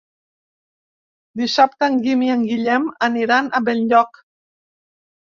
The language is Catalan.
Dissabte en Guim i en Guillem aniran a Benlloc.